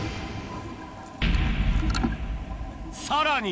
さらに